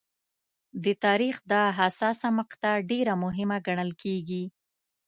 د تاریخ دا حساسه مقطعه ډېره مهمه ګڼل کېږي.